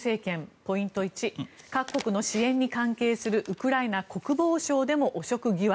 ポイント１各国の支援に関係するウクライナ国防省でも汚職疑惑。